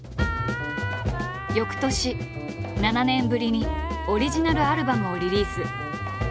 翌年７年ぶりにオリジナルアルバムをリリース。